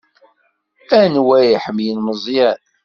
Anwa i iḥemmlen Meẓyan?